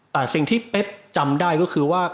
แต่สิ่งที่เป๊บจำได้ก็คือว่า